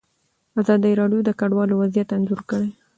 ازادي راډیو د کډوال وضعیت انځور کړی.